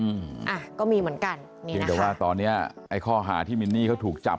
อืมอ่ะก็มีเหมือนกันมีเพียงแต่ว่าตอนเนี้ยไอ้ข้อหาที่มินนี่เขาถูกจับ